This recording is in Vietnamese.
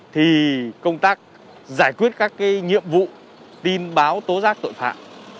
thì công tác giải quyết các cái nhiệm vụ tin báo tố giác tội phạm